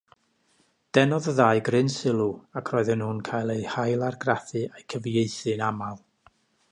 Denodd y ddau gryn sylw ac roedden nhw'n cael eu hailargraffu a'u cyfieithu'n aml.